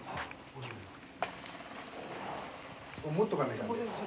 持っとかなきゃ。